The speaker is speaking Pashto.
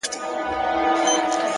لوړ هدفونه منظم عمل غواړي.!